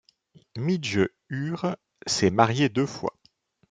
Midge Ure s'est marié deux fois.